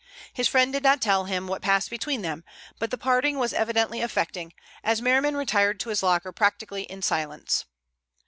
His friend did not tell him what passed between them, but the parting was evidently affecting, as Merriman retired to his locker practically in silence.